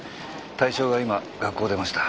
対象が今学校を出ました。